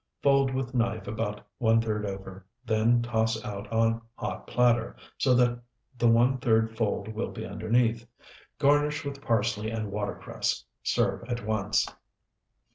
Fold with knife about one third over; then toss out on hot platter, so that the one third fold will be underneath. Garnish with parsley and watercress. Serve at once.